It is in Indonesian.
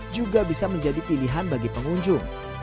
juga bisa menjadi pilihan bagi pengunjung